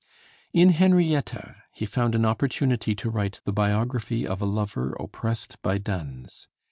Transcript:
In 'Henrietta' he found an opportunity to write the biography of a lover oppressed by duns.